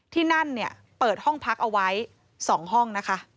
ที่นั่นเปิดห้องพักเอาไว้๒ห้อง